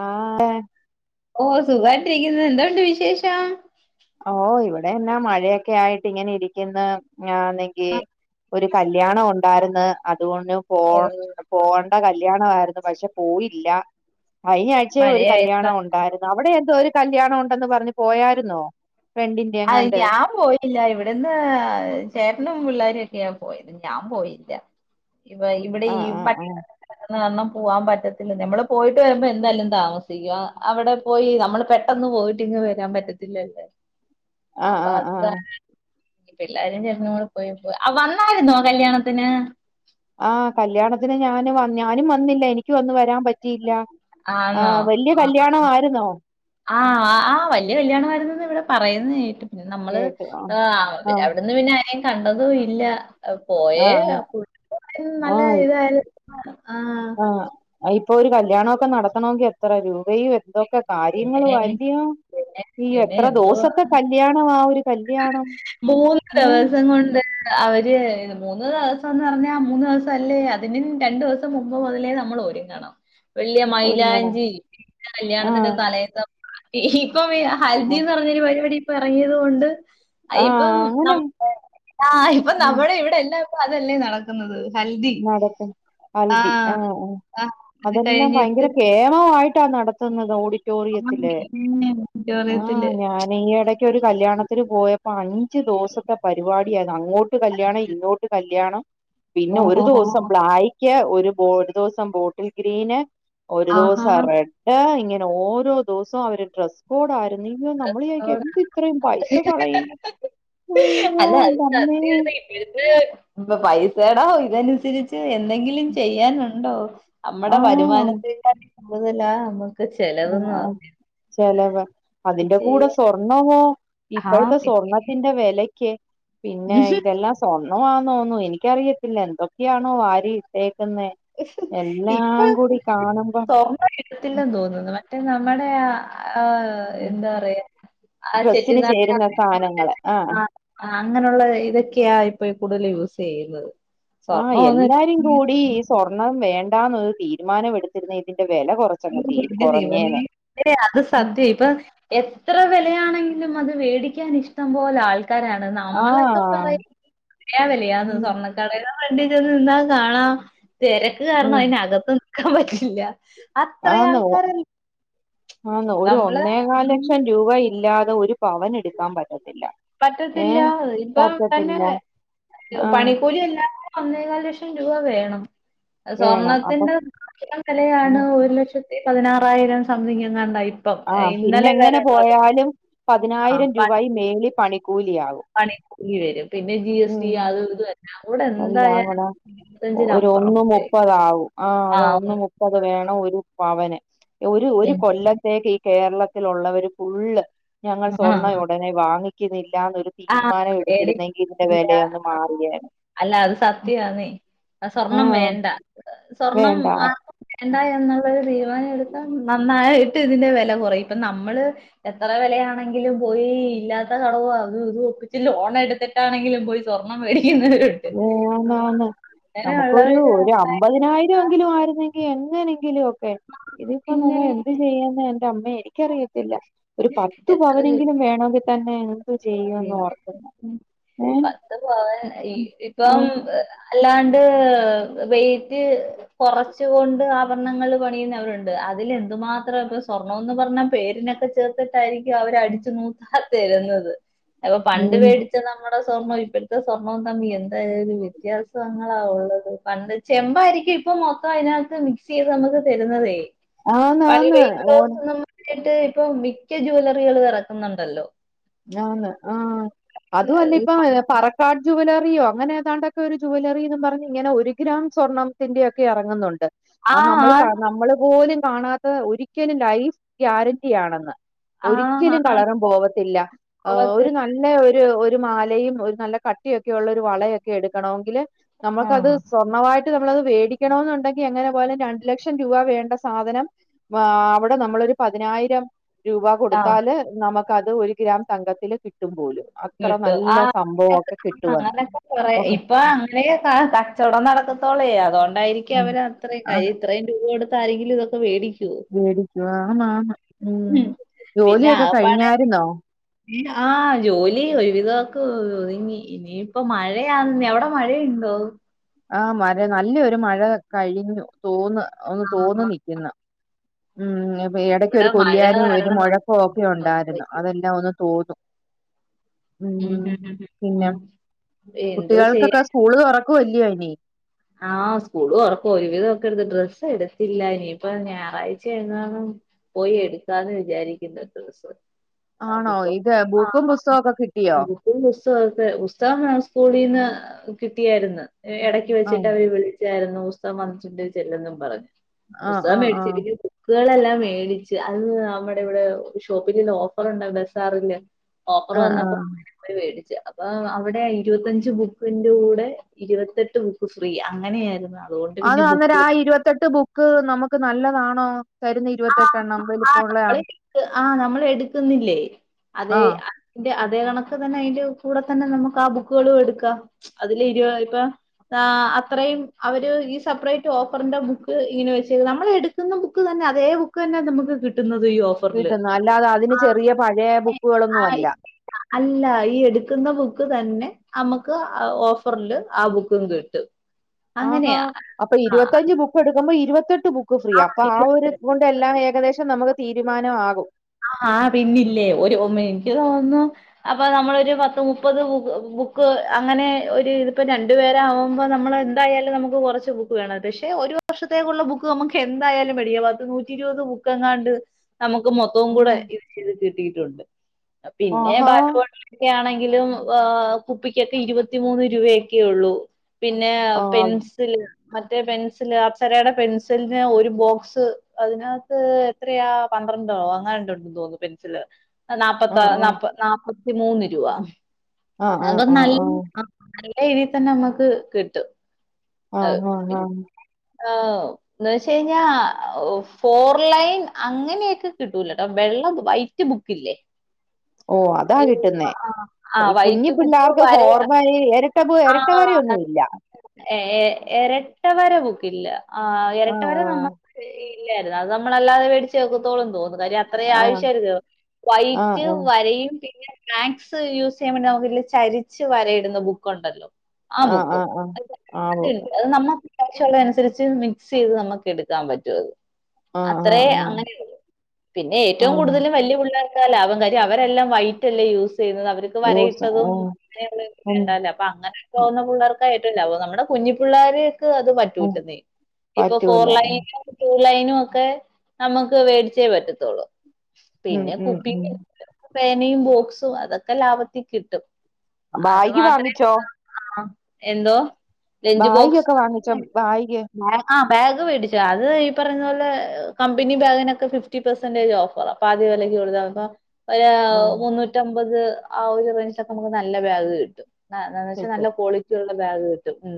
ആഹ് ഓ സുഖൻ [unintelligible] എന്തോണ്ട് വിശേഷം ഓ ഇവിടെ എന്നാ മഴയൊക്കെ ആയിട്ട് ഇങ്ങനെ ഇരിക്കിന്ന് ഞാന്നങ്കി ഒരു കല്യാണം ഉണ്ടാര്ന്ന് അത് [unintelligible] ഓ ഫോൺ ഫോൺ ആ കല്യാണായിരുന്നു പക്ഷെ പോയില്ല കഴിഞ്ഞ ആഴ്ച്ചേ ഒരു മഴയായിരുന്നു കല്യാണം ഉണ്ടാര്ന്ന് അവിടെ തൊരു കല്യാണം ഉണ്ടെന്ന് പറഞ്ഞ് പോയാരുന്നോ അയ് ഞാൻ പോയിട്ടില്ല ഇവിടെന്ന് ചേട്ടനും പിള്ളേരും ക്കയാ പോയത് ഞാൻ പോയില്ല ഇപ്പ ഇവിടെ ഈ ആഹ് ആഹ് [inaudible] പോവാൻ പറ്റത്തില്ല നമ്മള് പോയിട്ട് വരുമ്പോ എന്തായാലും താമസിക്കും അവിടെ പോയി നമ്മള് പെട്ടന്ന് പോയിട്ടിങ്ങ് വരാൻ പറ്റത്തില്ലല്ലേ ആ ആ ആ പിള്ളേരും ചേട്ടനും കൂടെ പോയേക്കുവാ ആ വന്നാരുന്നോ കല്യാണത്തിന് ആ കല്യാണത്തിന് ഞാനു ഞാനും വന്നില്ല എനിക്കുവെ ആന്നോ കല്യാണം ആയിരുന്നോ ആ ആ വല്ലിയ കല്ലിയാണം ആരുന്നെന്നു ഇവിടെ പ പറയുന്ന കേട്ട് പിന്നെ നമ്മള് കേട്ടു ആഹ് ആ പിന്നെ ആഹ് അവിടന്ന് പിന്നെ ആരേം കണ്ടതും ഇല്ല പോയേ ആഹ് [inaudible] നല്ല ഇതായെ ആ ആ ഇപ്പൊ ഒരു കല്യാണവോക്കെ നടത്തണെങ്കിൽ എത്ര രൂപയും എ എന്തൊക്കെ പിന്നെ കാര്യങ്ങളും അല്ലിയോ പിന്നെ ഈ പിന്നെ എത്ര എന്തുവാ ദോസത്തെ കല്യാണവാ ഒര് മൂന്ന് ദിവസം കൊണ്ട് അവര് മൂന്ന് ദിവസ ന്ന് പറഞ്ഞ ആ മൂന്ന് ദിവസം അല്ലേ അതിനും രണ്ടു ദിവസം മുമ്പ് മുതലേ നമ്മൾ ഒരുങ്ങണം വലിയ ഒരുങ്ങണം മൈലാഞ്ചി കല്യാണത്തിന്റെ ആഹ് തലേസം [unintelligible] ഇപ്പൊ ഹൽദിന്ന് പറഞ്ഞൊരു പരിപാടി ഇറങ്ങിയതു കൊണ്ട് അ ഇപ്പം ആഹ് അങ്ങനെ നമു ആ ഇപ്പം ഉം നമ്മുടെ ഇവിടെ എല്ലാം അതല്ലേ നടക്കുന്നത് ഹൽദി. നടക്കൻ ആ. ഹൽദി ആആ ആ. അത് അതെല്ലാം ഭയങ്കര കഴിഞ്ഞിട്ട് കേമമായിട് റ്റ നടത്തുന്നത് ഓടി സ്റ്റോറിയെത്തില്ലേ ആ ഓഡിറ്റോറിയത്തില്. ഞാന് ഈ ഇടക്ക് ഒരു കല്യാണത്തിന് പോയപ്പോ അഞ്ചു ദിവസത്തെ പരിപാടി അങ്ങോട്ട് കല്യാണം ഇങ്ങോട്ട് കല്യാണം പിന്നെ ഒരു ഒരു ഓഹോഹോ! ദിവസം ബ്ലാക്ക് ഒരു ബോര് ദിവസം ബോട്ടിൽ ഗ്രീന് ഒരു ആഹാ! ദിവസം റെഡ് ഇങ്ങ ഓരോ ദിവസവും അവര് ഡ്രസ്സ് കോഡ് ആ [unintelligible] നമ്മൾ യാര്കും അവിടെ. എന്ത് ഇത്രയും പൈസ കളയുന്നു അയ്യോ അല്ല അത് എന്റെ അമ്മേ സത്യ [unintelligible] പൈസ എടാ ഇതനുസരിച്ച് എന്തെങ്കിലും ചെയ്യാനുണ്ടോ ആ അമ്മടെ വരുമാനത്തി [unintelligible] [unintelligible] ആ ചിലവ് അതിന്റെ കൂടെ ചെയ്യാൻ സ്വർണമോ ആ. ഇപ്പഴത്തെ സ്വർണത്തിന്റെ വില കെ പിന്നെ ഇതെല്ലാം സോ [unintelligible] എനിക്കറിയത്തില്ല എന്തൊക്കെയാണോ വാരി ഇട്ടേ- ഇപ്പേ കാണുമ്പം സ്വർണ കിട്ടത്തില്ലെന്ന് തോന്നുന്നു റ്റെ നമ്മുടെ ആ ആ ഉം. എന്താ റയാ ആ ഡ്രസ്സിന് ചേരുന്ന സാധനങ്ങള് ആ [unintelligible] അങ്ങനുള്ള ഇതൊക്കെയാ ഇപ്പൊ കൂടുതൽ യൂസ് ചെയുന്നത് ആ എല്ലാരും കൂടി സ്വർണം വേണ്ടാന്നൊരു തീരുമാനം എടുത്തിരുന്നേൽ എടീ അത് സത്യ ഇപ്പൊ എത്ര വിലയാണെങ്കി- ലും അത് മേടിക്കാൻ ഇഷ്ടം പോലെ ആള് ആൾക്കാരാണ് നമ്മളൊക്കെ ആഹ് പറയും പറയാ [unintelligible] വെലയാ വെലയാന്ന് ഉം സ്വർണ്ണക്കടേലോ വണ്ടി [unintelligible] നിന്താ കാണാം തിരക്ക് കാരണം ഉം അതിനകത്ത് ക്കാൻ പറ്റില്ല അത്രെ ആൾക്കാരല് ആന്നോ ഒരു ഒന്നേകാല് ലക്ഷം രൂപ ഇല്ലാതെ ഒരു പവൻ എടുക്കാൻ പറ്റി- പറ്റത്തില്ല ഇപ്പൊ തന്നെ പറ്റത്തില്ല ആഹ് പണിക്കൂലി എല്ലാ ഒന്നെകാൽ ലക്ഷ ലക്ഷം രൂപ വേണം അത് വേണം അപ്പൊ സ്വർണത്തിന്റെ [unintelligible] സ്വന്ത വിലയാണ് ഒരു ലക്ഷത്തി- പതിനാറായിരം സംതിങ്ങ് എങ്ങാണ്ടായി ആഹ് പിന്നെ എങ്ങനെ പോയാലും പത്ത- പതിനായിരം രൂപായി മേളി പണിക്കൂ- ക്കൂലിയാ പണി ഈ വരും പിന്നെ ജി എസ് ടി അത് ഇത് എല്ലാം കൂടെ എന്താ എന്തായാലും ആവണം ഇരുപത്തഞ്ചിന് ഒരു അപ്പുറം ഒന്നും വരും. മുപ്പത് ആകും ആ അതാ ഒന്ന് മുപ്പത് വേണം ഒരു പവന് ഒരു ഒരു പിന്നെ കൊല്ലത്തേക്ക് ഈ കേരള ത്തിലുള്ളവര് ഫുള്ള് ഞങ്ങൾ ആ സ്വർണ്ണ ഉടനെ വാങ്ങി ക്കുന്ന രീ ഇല്ലെന്ന് ഒരു ആ ആ, തീരുമാനം എടുത്തിരുന്നെങ്കി ഇതിന്റെ പേടിക്കുന്നില്ല വിലയൊന്ന് മാറിയേനെ അല്ല അത് സത്യമാന്നേ ആ സ്വർണ്ണം ആഹ് വേണ്ട സ്വർണ്ണം വേണ്ട ആർക്കും വേണ്ട എന്നത് ന്നത് തീ നന്നായിട്ട് ഇതിന്റെ വി കൊറയും ഇപ്പം നമ്മള് എത്ര വിലയാണെങ്കിലും പോയി ഇല്ലാത്ത കടം ആ അത് ഇത് ഒപ്പിച്ചിട്ട് ലോൺ എടുത്തിട്ട് ആണെങ്കിലും പോയി സ്വർണ്ണം മേടിക്കും [unintelligible] അങ്ങനെ നമുക്കൊരു ഉള്ളവര് ഒരു അമ്പതിനായിരം എങ്കിലും ആയിരുന്നെങ്കി എങ്ങനെങ്കിലും ഇതിപ്പോ പിന്നെ നമ്മൾ എന്ത് ചെയ്യാനാ എന്റെ അമ്മേ എനിക്കറിയത്തില്ല ഒരു പത്തു എത്ര പവനെങ്കിലും വേണമെങ്കിൽ തന്നെയാണ് ചെയ്യാന്ന് പിന്നെ ഓർക്കുന്നു ഹേ പത്ത് പവൻ ഇപ്പം അല്ലാണ്ട് വെയ്റ്റ് കൊറച്ച് കൊണ്ട് ആഭരണങ്ങൾ പണിയുന്നവരുണ്ട് അതിലെന്ത് മാത്ര പ സ്വർണ്ണാേന്ന് പർഞ്ഞാ പേരിനക്കെ ചേർത്തിട്ടായ്രി ക്കും അവരടിച്ച് [unintelligible] തര്ന്നത് അപ്പൊ പണ്ട് ഉം വേടിച്ച നമ്മ സ്വർണ്ണം ഇപ്പഴ്ത്തെ സ്വർണ്ണവും തമ്മി എന്തായാെരു വ്യത്യാസങ്ങളാ ഒള്ളത് പണ്ട് ചെമ്പായിരിക്കും ഇപ്പം മൊത്തം അയ്നക് ത്ത് മിക്സ് ചെയ്ത് നമുക്ക് തര്ന്നതേ ആന്നാ ആന്ന് ഓൻ ക്കെ ഇപ്പൊ മിക്ക ജ്വാേലറികളും എറക്ക്ന്ന്ണ്ടല്ലോ ആന്ന് ആ അതും അല്ല ഇപ്പം പറക്കാട് ജുവ് ലറിയോ അങ്ങനെ ഏതാണ്ടൊക്കെ ഒരു ജു വ് ലറീന്നും പറഞ്ഞ് ഇങ്ങനെ ഒര് ഗ്രാം സ്വർണ്ണംത്തിന്റെയൊക്കെ എറങ്ങ്ന്നുണ്ട് ആ അ നമ്മൾ ക നമ്മള് പോലും കാണാത്തത് ഒരിക്കലും ലൈഫ് ഗ്യാരണ്ടി ആണെന്ന് ആ ആ ഒരിക്കലും ആ കളറും പോവത്തില്ല ആ ലോകത്ത് ഒര് നല്ല ഒരു തൊരു മാലയും ഒര് നല്ല കട്ടിയൊക്കെ ഒള്ളാെരു വളയൊക്കെ എട്ക്കണമെങ്കില് ആ നമ്ക്കത് സ്വർണ്ണമായിട്ട് നമ്മളത് വേടിക്കണമെന്നുണ്ടെങ്കി എങ്ങനെ പോയാലും രണ്ട് ലക്ഷം രൂപ വേണ്ട സാധനം വ അവ്ടെ നമ്മളൊരു പതിനായിരം രൂപാ ആ കൊടുത്താല് നമക്ക് അത് ഒര് ഗ്രാം സംഘത്തില് കിട്ടുംപോലും നിട്ടു ആഹ് കിട്ടുവന്ന് അങ്ങനക്കെ കൊറെ ഓക്കെ ഇപ്പൊ അങ്ങ്നി [unintelligible] കച്ചോടം നടക്ക് ത്തൊളേ അതോണ്ട് ണ്ടായിരിക്ക്യ ഉം അവർ അത്രയ് ക്ക [unintelligible] രി ഇത്രയും രൂപ കൊടു സാരിഹ്ല് വെക് ഉം മേടിക്കു ആഹ് ആന്ന് ആന്ന് ഉം ജോലിയൊക്കെ കഴിഞ്ഞായ്രുന്നോ ആഹ് ജോലി ഏയ് ഒരു വിതോക്ക് ഒയ്ങ്ങി ഇനിയിപ്പ മഴ ദേ അന്ന് മഴ എവ്ടെ മഴയ് ആ ആ മരെ നല്ലൊ ഒരു മഴ കഴിഞ്ഞു തോന്ന ഒന്ന് ആ, തോന്ന നിക്കുന്ന ഉം ഇടയ്ക്ക ഇവിടെ ഒരു മഴ കൊല്യാനും ഒരു കാരണം നമുക്ക് മുഴക്കമ ഒക്കെ ഒന്നും ഉണ്ടായിരുന്നു പറ്റില്ല അതെല്ലാം ഒന്ന് തോന്നും ഉം ഹും ഹും ഹും പിന്നെ ഉം. എന്തോ കുട്ടികൾക്കൊക്കെ ചെയ്യാൻ സ്കൂള് തുറക്ക വല്ല്യയൊ അ ആ സ്കൂള് ഉറക്കും ഒരുവിധംക്കെ എടുത്ത് ഡ്രസ്സ് എട്ത്തില്ല ഇനിയിപ്പ ഞായറാഴ്ച എങ്ങണം പോയി എടുക്കാന്ന് വിചാരിക്കുന്ന ഡ്രസ്സ് ആണോ ഇത് ബുക്കും പുസ്തകമൊക്കെ കിട്ടിയോ ക്കെ ഉസ്തം സ്കൂളീന്ന് കിട്ടിയായിരുന്നു വെച്ചിട്ട് ആഹ് അവര് വിളിച്ചായിരുന്നു പുസ്തം വന്നിട്ട്ണ്ട് ചെല്ലെന്നും പറഞ്ഞു ആഹ് പുസ്തകം ആഹ് മേടിച്ചി ആഹ് ബുക്കുകളല്ലാം മേടിച്ച് അത് നമ്മുടെ ഇവിടെ ഷോപ്പില്ല്ല ഓഫർണ്ട ബസാറില് ഓഫർ ആഹ് വന്നപ്പോ ആഹ് അങ്ങനെ പോയി മേടി ച്ച് അപ്പ അവിടെയ ഇരുപത്തഞ്ച് ബുക്ക് ഉം കൂടെ ഇരുപതെട്ട് ഫ്രീ അങ്ങനെയ ആയിരുന്നു അത് അന്നേരം ആ ഇരുപത്തെട്ട് ബു ക്ക് നമുക്ക് നല്ലതാണോ തരുന്ന ആ ഇരുപത്തെട്ടെണ്ണം ആ വലിപ്പമുള്ളതാണ് ആ നമ്മള് എട്ക്ക്ന്നില്ലേ അതെ ആഹ് അതിന്റെ അതെ അതെകണക് തന്നെ അതിന്റെ കൂ ടതന്നെ നമുക്ക് ആ ബുക്കളും എടുക്കാം അതില് ഇരുപത് ഇപ്പോ ആ അത്രെയും അവര് ഈ സെപ്പറേറ്റ് ഓഫറിന്റെ ബുക്ക് ഈന് വെച്ച നമ്മൾ എടുക്കുന്ന ബുക്ക് തന്നെയാ അതേ ബുക്ക് തന്നെ നമുക്ക് കിട്ടുന്നത് ഈ ഓഫറിൽ കിട്ടുന്ന അല്ലാതെ അതിന് ചെറിയ പഴയെ ബുക്കുകളൊന്നും അല്ല അല്ല ഈ എട്ക്ക്ന്ന ബുക്ക് തന്നെ നമ്മക്ക് ഓഫറില് ആ ബുക്കും കിട്ടും ആഹാ അങ്ങനെയാ അപ്പോ ആ ഇരുപത്തഞ്ച് ബുക്ക്‌ എട് ക്കുമ്പോ ഇരുപത്തട്ട് ബുക്ക് ഫ്രീആ അപ്പൊ ആ ഒരു കൊണ്ട് എല്ലാം ഏകദേശം നമക്ക് തീരുമാനമാകും ആ ഹാ പിന്നില്ലേ ഒരു മിനിറ്റ് തോന്നുന്നു അപ്പൊ നമ്മളൊ ഒരു പത്ത് മുപ്പത് ബുക്ക് അങ്ങനെ ഒരു ഇതിപ്പോ രണ്ടു പേര ആവുമ്പോ നമ്മൾ എന്തായാലും നമുക്ക് കുറച്ച് ബു പക്ഷെ ഒരു വർഷത്തേക്കുള്ള ബുക്ക് നമുക്ക് എന്തായാലും പേടിക്കാം പത്ത് നൂറ്റി ഇരുപത് ബുക്ക്‌ എങ്ങാൻ ണ്ട് നമക്ക് ഇപ്പ കൂടെ ഇത് ചെയ്ത് കിട്ടിട്ട് ലുണ്ട് ആ പിന്നെ ഹാ ബാറ്റ്ബോട്ടിൽക്കെ ആണെങ്കിലും ആ കുപ്പിക്കൊക്കെ ഇരുപത്തിമൂന്ന് രൂപയൊക്കെ ഉള്ളൂ പിന്നെ ആ പെൻസില് മറ്റേ പെൻസില് അപ്‌സരയുടെ പെൻസിലിന് ഒരു ബോക്സ് അതിനകത്ത് എത്രയാ പന്ത്രണ്ടോ ആ ഉണ്ട് ണ്ട് ന്ന് തോന്നുന്നു പെന്സില് അത് ആ ആ നാപ്പത്താ നാപ്പ നാപ്പ മൂന്ന് രൂപ ആ ആ അതൊ ആ നല്ല അ നല്ല രീതിൽ തന്നെ നമ്മക്ക് കിട്ടും ആ അത് ഹ ഹ ഏഹ് എന്ന് വെച്ച്കഴിഞ്ഞാ ഫോർ ലൈൻ അങ്ങനെയൊക്കെ കിട്ടൂല ട്ടോ വെള്ളം വൈറ്റ് ബുക്കില്ലേ ഓ അതാ ഈ കിട്ടുന്നേ ആ ആ കു കുഞ്ഞി വൈറ്റ് ബുക്ക് പിള്ളാർക്ക് വരെ ഫോർ ലൈൻ ഇരട്ട പോ ഇരട്ട വരയൊന്നും ഇല്ല ഏഏ എരട്ട വര ബുക്കില്ല ആ ആ ഇരട്ട വരെ നമ്മക്ക് ഈ ഇല്ലായിരുന്നു അത് നമ്മള് അല്ലാതെ വെടിച്ചേ ഒക്കതുള്ളുന്ന് തോന്ന് [unintelligible] അത് അത്രയും ആ ആവശ്യായി യിരുന്നു ആ ആ വൈറ്റ് വരയും പിന്നെ മാക്സ് യൂസ് ചെയ്യാൻവേണ്ടി നമുക്ക് ഇതില് ചരിച്ചു വരയിടുന്ന ബുക്കൊണ്ടല്ലോ ആ ബുക്കും ആ ഓക്കെ ണ്ട് നമ്മ ആവശ്യള്ള അനുസരിച്ച് മിക്സ് ചെയ്ത് നമുക്ക് എടുക്കാൻ പറ്റുവത് ആ ആ അത്രേ ആ അങ്ങനെ ഒരു പിന്നെ ആ ഏറ്റവും കൂടുതല് വലിയ പിള്ളേർ [unintelligible] അവരെല്ലാം വൈറ്റല്ലേ യൂസ് ചെയ്യുന്നത് അവർക്ക് ഓ വര സ- ആ ഉം, അങ്ങന അ അങ്ങനെ തോന്ന പിള്ളേർക്ക് [unintelligible] നമ്മുടെ കുഞ്ഞിപ്പിള്ളാര് ക്ക് അത് ഉം, പറ്റൂലന്നേ ഇപ്പൊ പറ്റൂല ഫോർലൈനിലും ടു ലൈനും ഒക്കെ നമുക്ക് വേടിച്ചേ പറ്റത്തുള്ളൂ ഉം പിന്നെ ഉം ഉം കുപ്പിയും പേനയും ബോക്സും അതൊക്കെ ലാഭത്തി കിട്ട് ബായ്ഗ്‌ വാങ്ങിച്ചോ? ആ എന്തോ ലഞ്ച് ബായിഗ്‌ ബോക്സ് ഒക്കെ വാങ്ങിചൊ ബായിഗ്‌ ബേഗ് വേടിച്ചു അത് ഈ പറഞ്ഞെ പോലെ കമ്പനി ബാഗിനൊക്കെ ഫിഫ്റ്റി പെർസെന്റേജ് ഓഫറാ പഹുതി വെലക്ക് കൊടുത്തപ്പം ഒര് ആ ഹ് മുന്നൂറ്റി അമ്പത് മ്പത് ആഹ് ഒരു റേഞ്ചിലൊ നമുക്ക് നല്ല ബാഗ് കിട്ടും ന്നാ ന്നാന്ന്വെച്ചൽ നല്ല കിട്ടും ക്വാളിറ്റി ഉള്ള ബാഗ് കിട്ടും ഉം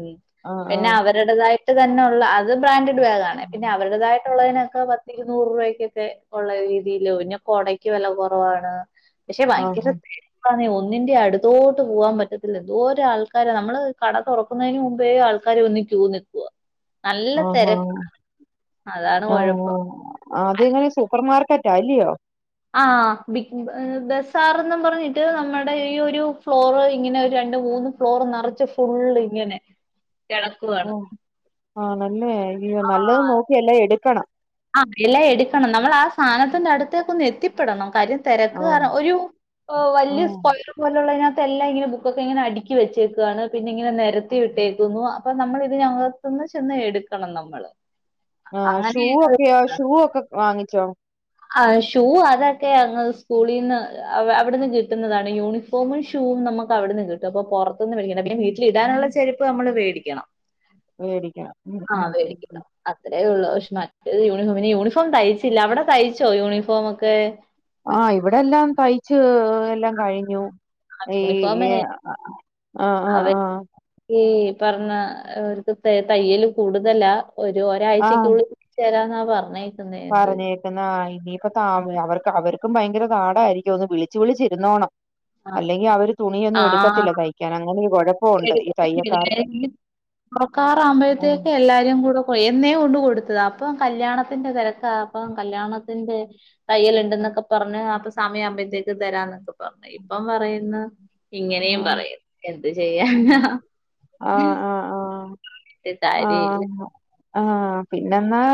ആ ആ പിന്നെ അവരുടതായി ട്ട് തന്നെ ഉള്ള അത് ബ്രാൻഡ ഭാഗാണേ. പിന്നെ അവരുടതായിട്ടുള്ളതിനൊക്കെ പ ത്തിരുന്നൂറ് രൂപക്കൊക്കെ ഉള്ള രീതിയിലോ പിന്നെ കൊടക്ക് വില കൊറവാണ്. പക്ഷെ ആ ഭയങ്കര തിരക്കാന്നേ ഒ ന്നിന്റെ അടുത്തോട്ട് പോവാൻ പറ്റത്തില്ല. എന്തോരാ ആൾക്കാരാ. നമ്മള് കട തുറക്കുന്നേന് മുമ്പേ ആൾക്കാര് വന്നു ക്യു നിക്കുവാ. ആഹ് ഹാ അതാണ് ആ കൊഴപ്പം. ആ. ആ അതെങ്ങനെ സൂപ്പർമാർക്കറ്റാ അല്ലെയോ? ആ ബിഗ് ബസാർന്നും പറഞ്ഞിട്ട് നമ്മുടെ ഈ ഒരു ഫ്ലോറ് ഇങ്ങനെ ഒരു രണ്ട് മൂന്ന് ഫ്ലോർ നറച്ച് ഫുള്ള് ഇങ്ങനെ കെടക്കുവാണ്. ആ ല്ലേ ലിയോ. നല്ലത് നോക്കി എല്ലാം എടുക്കണം ആഹ് എല്ലാം എടുക്കണം. നമ്മൾ ആ സാനത്തിന്റെ അടുത്തേക്ക് ഒന്ന് എത്തിപ്പെടണം. കാര്യം തിരക്ക് ആ കാരണം ഒരു ആ വലിയ സ്ക്വയറ് പോലുള്ളയിനക ത്തെല്ലാം ഇങ്ങനെ ബുക്കൊക്കെ ഇങ്ങനെ അടുക്കി വെച്ചേക്കാണ്. പിന്നെ ഇങ്ങനെ നിരത്തി വിട്ടേക്കുന്നു അപ്പൊ നമ്മൾ ഇതിന് അകത്തുന്ന് ചെന്ന് എടുക്കണം നമ്മള്. ആഹ് അങ്ങനെ ശൂവൊ ക്യാ ഷൂ ഒക്കെ വാങ്ങി ച്ചോ ആഹ്. ഷൂ അതൊക്കെ അങ്ങ് സ്‌ക്കൂളീന്ന് അ അവിട്ന്ന് കിട്ട്ന്നതാണ്. യൂണിഫോമ് ഷൂവും നമുക്കവിട്ന്ന് കിട്ടും. അപ്പം പൊറത്ത്ന്ന് മേടിക്കണ്ട. പിന്നെ വീട്ടിലിടാനുള്ള ചെരിപ്പ് നമ്മള് വേടിക്കണം. മേടിക്കണം ഉം ആ ഉം മേടിക്കുന്ന ഉം അത്രയൊള്ളു പക്ഷെ നല്ല യു [unintelligible] യൂണിഫോം തയ്ച്ചില്ല അവിടെ തയ് ച്ചോ യൂണിഫോമൊക്കെ ആഹ് ഇവടെ എല്ലാം തയ്ച്ച് എല്ലാം കഴിഞ്ഞു ഈ യൂണിഫോമേ എ അ അ ആ ക്ക് ഈ പറഞ്ഞ അവർക്ക് തയ്യല് കൂടുതലാ ഒരു ഒരാഴ്ചക്കുള്ളിൽ ചേരാന്നാ പ പറഞ്ഞേ പറഞ്ഞേക്കുന്നാ ആ ഇനിയിപ്പം താ അവർക്ക് അവർ ക്ക് ഭയങ്കര താടായിരിക്കും ഒന്ന് വിളിച്ചു വിളിച്ചിരുന്നോണം ആഹ് അല്ലെങ്കിൽ അവര് തുണിയൊന്നും എടുക്കത്തില്ല തയ്ക്കാൻ അങ്ങനെ ഒരു കൊഴ [unintelligible] ഉം തൊറക്കാറാവുമ്പയത്തേക്ക് എല്ലാരും കൂടെ എന്നേ കൊണ്ട് കൊ ത്തതാ അപ്പൊ കല്യാണത്തിൻ്റ തെരക്കാ അപ്പം കല്യാണത്തിൻ്റെ തയ്യല്ണ്ട്ന്നൊക്കെ പറഞ് അപ്പ സമയാവുമ്പയത്തേക്ക് തരാന്നൊക്കെ പറഞ്ഞ് ഇപ്പൊ പറയുന്ന് ആ ഇങ്ങനെയും പറയ് എന്ത് ചെയ്യാൻ ആ ആഹ് ആ ഒരു ആ കാര്യമില്ല ആഹ് ആഹ് പിന്നെെന്നാ